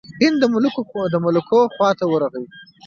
هند د ملوکو خواته ورغی.